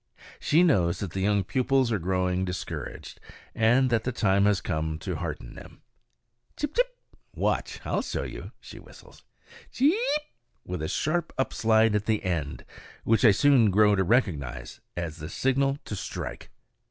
She knows that the young pupils are growing discouraged, and that the time has come to hearten them. Chip, chip! "watch, I'll show you," she whistles Cheeeep! with a sharp up slide at the end, which I soon grow to recognize as the signal to strike.